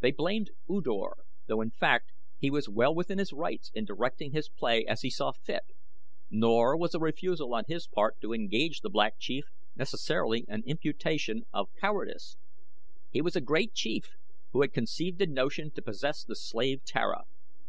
They blamed U Dor, though in fact he was well within his rights in directing his play as he saw fit, nor was a refusal on his part to engage the Black Chief necessarily an imputation of cowardice. He was a great chief who had conceived a notion to possess the slave Tara.